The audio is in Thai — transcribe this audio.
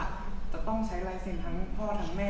จะต้องใช้ลายเซ็นทั้งพ่อทั้งแม่